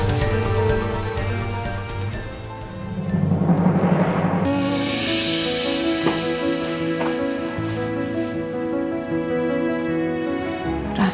saya sudah menang